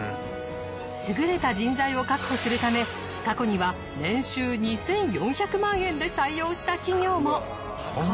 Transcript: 優れた人材を確保するため過去には年収２，４００万円で採用した企業も。